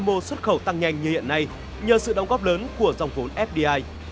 các doanh nghiệp xuất khẩu tăng nhanh như hiện nay nhờ sự đóng góp lớn của dòng vốn fdi